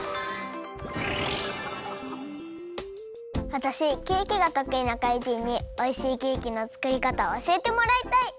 わたしケーキがとくいな怪人においしいケーキのつくりかたをおしえてもらいたい！